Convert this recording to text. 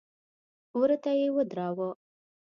وره ته يې ودراوه.